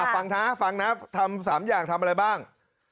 ฟังนะฟังนะทำ๓อย่างทำอะไรบ้าง